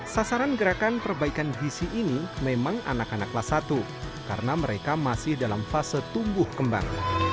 sasaran gerakan perbaikan gizi ini memang anak anak kelas satu karena mereka masih dalam fase tumbuh kembang